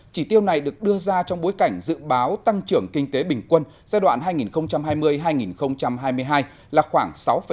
chỉ tiêu này được đưa ra trong bối cảnh dự báo tăng trưởng kinh tế bình quân giai đoạn hai nghìn hai mươi hai nghìn hai mươi hai là khoảng sáu tám